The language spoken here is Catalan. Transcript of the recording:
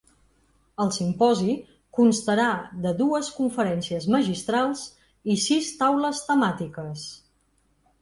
El simposi constarà de dues conferències magistrals i sis taules temàtiques.